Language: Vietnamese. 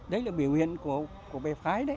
đấy là biểu hiện của bè phái đấy